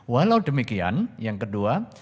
walau demikian yang kedua